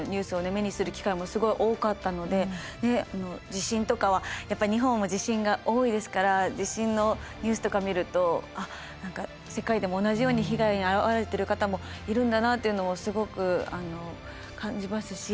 目にする機会もすごい多かったので地震とかはやっぱり日本も地震が多いですから地震のニュースとか見ると何か世界でも同じように被害に遭われてる方もいるんだなっていうのをすごく感じますし。